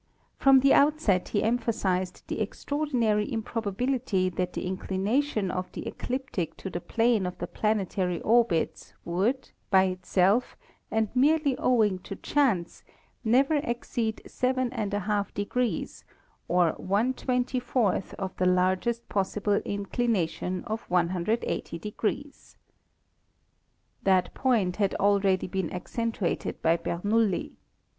From the outset he emphasized the extraordinary improbability that the inclination of the ecliptic to the plane of the planetary orbits would, by itself and merely owing to chance, never exceed J 1 /* or one twenty fourth of the largest possible inclination of 180 . That point had already been accentuated by Bernoulli.